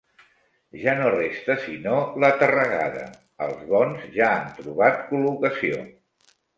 Ja no resta sinó la terregada: els bons ja han trobat col·locació.